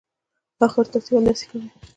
اخر تاسي ولې داسی کوئ